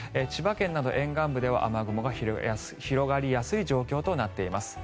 千葉県など沿岸部では雨雲が広がりやすい状況となっています。